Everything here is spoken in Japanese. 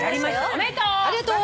おめでとう。